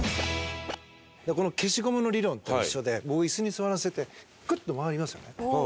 消しゴムの理論と一緒でこう椅子に座らせてクッと回りますよね。